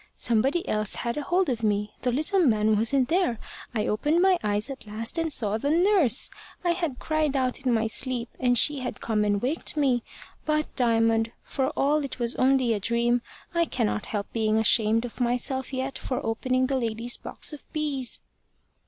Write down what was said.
Somebody else had a hold of me. The little man wasn't there. I opened my eyes at last, and saw the nurse. I had cried out in my sleep, and she had come and waked me. But, Diamond, for all it was only a dream, I cannot help being ashamed of myself yet for opening the lady's box of bees."